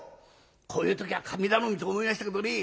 こういう時は神頼みと思いましたけどね